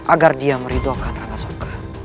agar dia meridokkan rangga soka